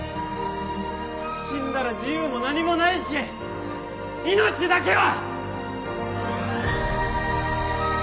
死んだら自由も何もないし命だけは！